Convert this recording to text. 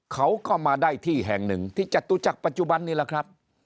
เขาก็มาได้ที่แห่งหนึ่งที่จตุจักรปัจจุบันนี้แหละครับ